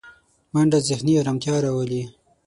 منډه ذهني ارامتیا راولي